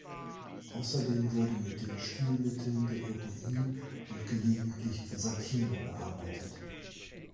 Außerdem wurde mit den Stilmitteln der Ironie und gelegentlich der Satire gearbeitet.